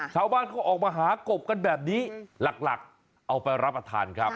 ชาวบ้านเขาออกมาหากบกันแบบนี้หลักเอาไปรับประทานครับ